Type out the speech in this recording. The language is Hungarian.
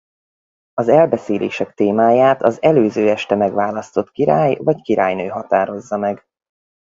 Az elbeszélések témáját az előző este megválasztott király vagy királynő határozza meg.